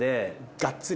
ガッツリ。